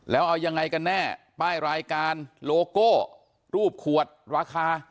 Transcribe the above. แล้วเอายังไงกันแน่ป้ายรายการโลโก้รูปขวดราคา